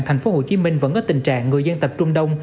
thành phố hồ chí minh vẫn có tình trạng người dân tập trung đông